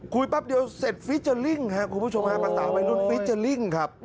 แป๊บเดียวเสร็จฟีเจอร์ลิ่งครับคุณผู้ชมฮะภาษาวัยรุ่นฟิเจอร์ลิ่งครับ